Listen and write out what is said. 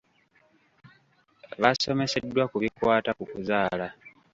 Baasomeseddwa ku bikwata ku kuzaala.